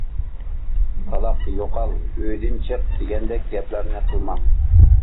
تالاق، يوقال، ئۆيدىن چىق. دېگەندەك گەپلەرنى قىلماڭ.